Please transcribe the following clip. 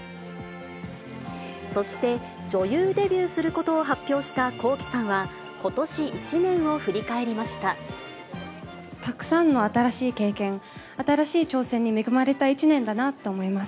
そして女優デビューすることを発表したＫｏｋｉ，さんは、ことしたくさんの新しい経験、新しい挑戦に恵まれた１年だなと思います。